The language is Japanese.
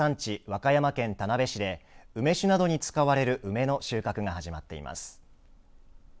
和歌山県田辺市で梅酒などに使われる梅の収穫が始まっています。